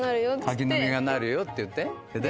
「柿の実がなるよ」っていってそれで？